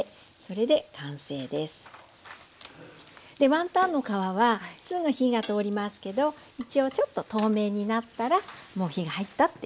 ワンタンの皮はすぐ火が通りますけど一応ちょっと透明になったらもう火が入ったという証拠になります。